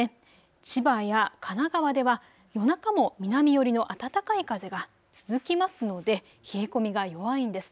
千葉や神奈川では夜中も南寄りの暖かい風が続きますので冷え込みが弱いんです。